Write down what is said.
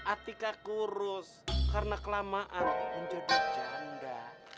atika kurus karena kelamaan menjadi janda